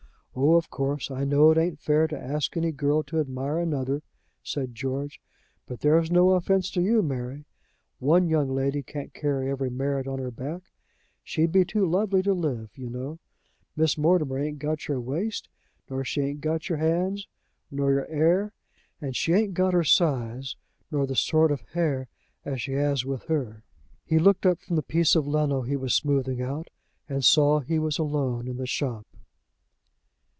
"Oh, of course, I know it ain't fair to ask any girl to admire another," said George. "But there's no offense to you, Mary. One young lady can't carry every merit on her back. She'd be too lovely to live, you know. Miss Mortimer ain't got your waist, nor she ain't got your 'ands, nor your 'air; and you ain't got her size, nor the sort of hair she 'as with her." He looked up from the piece of leno he was smoothing out, and saw he was alone in the shop.